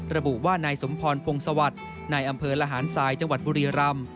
ระบุว่านายสมพรพงศวรรค์นายอำเภอระหารทรายจังหวัดบุรีรำ